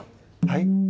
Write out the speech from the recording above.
はい？